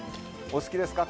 お好きですか？